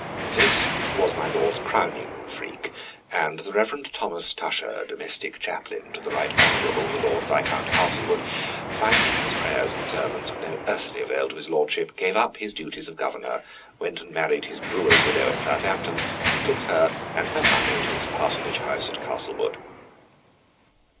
This was my lord's crowning freak, and the Rev. Thomas Tusher, domestic chaplain to the Right Honorable the Lord Viscount Castlewood, finding his prayers and sermons of no earthly avail to his lordship, gave up his duties of governor; went and married his brewer's widow at Southampton, and took her and her money to his parsonage house at Castlewood.